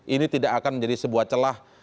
ini tidak akan menjadi sebuah celah